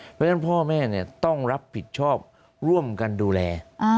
เพราะฉะนั้นพ่อแม่ต้องรับผิดชอบร่วมกันดูแล